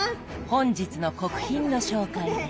本日の国賓の紹介です。